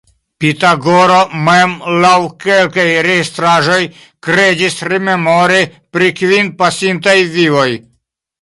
Pitagoro mem, laŭ kelkaj registraĵoj, kredis rememori pri kvin pasintaj vivoj.